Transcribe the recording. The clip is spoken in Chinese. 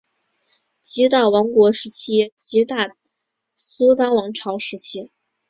吉打王国时期吉打苏丹王朝时期